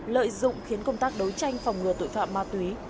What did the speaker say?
lợi dụng khiến công tác đấu tranh phòng ngừa tội phạm ma túy